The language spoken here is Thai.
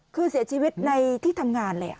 คือเสียชีวิตในที่ทำงานเลย